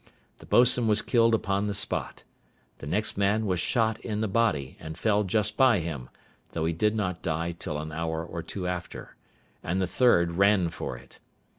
The boatswain was killed upon the spot: the next man was shot in the body, and fell just by him, though he did not die till an hour or two after; and the third ran for it.